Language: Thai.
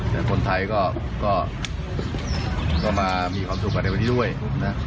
แต่คนไทยก็มามีความสุขกันในวันนี้ด้วยนะ